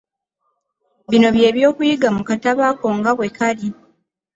Bino bye by'okuyiga mu katabo ako nga bwe kali.